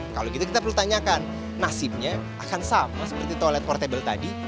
kalau gitu kita perlu tanyakan nasibnya akan sama seperti toilet portable tadi